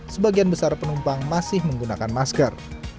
sebagian besar penumpang masih menggunakan masker